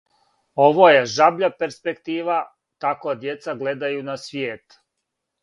Ово је жабља перспектива, тако дјеца гледају на свијет.